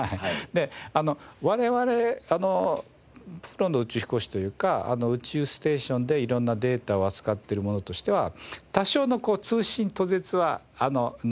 で我々プロの宇宙飛行士というか宇宙ステーションで色んなデータを扱ってる者としては多少の通信途絶は慣れっこなんですよ。